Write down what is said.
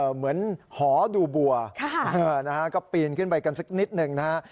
เหมือนหอดูบัวนะฮะก็ปีนขึ้นไปกันสักนิดหนึ่งนะฮะ